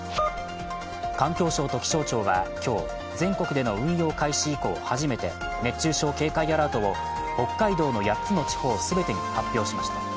環境省と気象庁は今日、全国での運用開始以降初めて、熱中症警戒アラートを北海道の８つの地方すべてに発表しました。